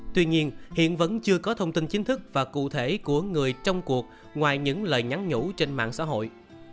tuy nhiên hiện vẫn chưa có thông tin chính thức và cụ thể của người trong cuộc ngoài những lời nhắn nhủ trên mạng xã hội